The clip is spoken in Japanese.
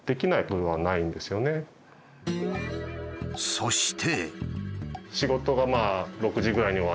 そして。